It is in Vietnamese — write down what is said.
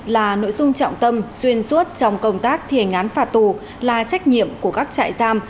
là nội dung trọng tâm xuyên suốt trong công tác thiền ngán phạt tù là trách nhiệm của các trại giam